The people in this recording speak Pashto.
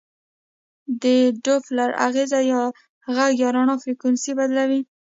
د ډوپلر اغېز د غږ یا رڼا فریکونسي بدلوي.